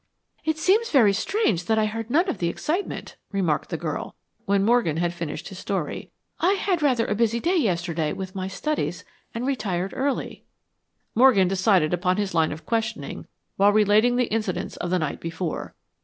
"It seems very strange that I heard none of the excitement," remarked the girl, when Morgan had finished his story. "I had a rather busy day yesterday with my studies and retired early." Morgan had decided upon his line of questioning while relating the incidents of the night before.